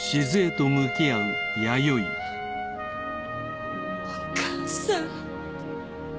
お義母さん。